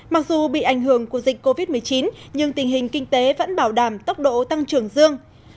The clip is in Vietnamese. mặc dù bị ảnh hưởng của dịch covid một mươi chín nhưng tình hình kinh tế vẫn bảo đảm tốc độ tăng trưởng dương